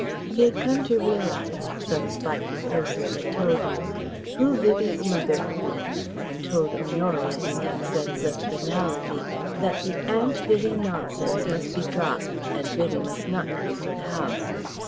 He had come to realize some spiteful person had told him who Vivie's mother had been, and told Honoria in accents of finality that the "Aunt Vivie" nonsense must be dropped and Vivie must not come to the house.